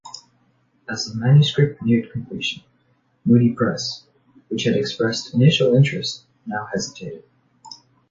As the manuscript neared completion, Moody Press, which had expressed initial interest, now hesitated.